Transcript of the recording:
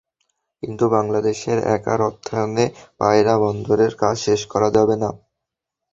কিন্তু বাংলাদেশের একার অর্থায়নে পায়রা বন্দরের কাজ শেষ করা যাবে না।